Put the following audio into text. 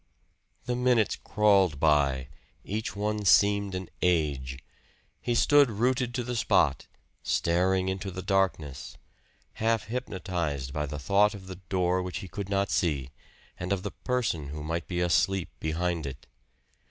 The minutes crawled by each one seemed an age. He stood rooted to the spot, staring into the darkness half hypnotized by the thought of the door which he could not see, and of the person who might be asleep behind it.